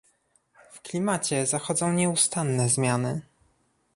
w klimacie zachodzą nieustanne zmiany